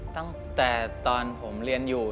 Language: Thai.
ตั้งแต่ตอนผมเรียนอยู่